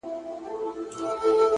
چې زموږ دښځو معصومه کمڅۍ